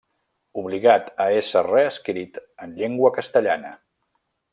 Obligat a ésser reescrit en llengua castellana.